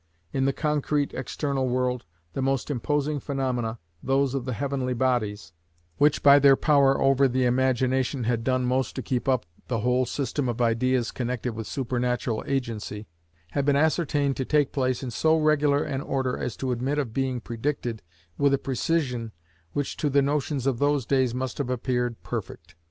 In the concrete external world, the most imposing phaenomena, those of the heavenly bodies, which by their power over the imagination had done most to keep up the whole system of ideas connected with supernatural agency, had been ascertained to take place in so regular an order as to admit of being predicted with a precision which to the notions of those days must have appeared perfect.